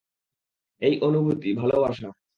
এই অনুভূতি, ভালোবাসা।